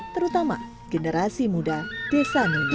terutama generasi muda desa nunduk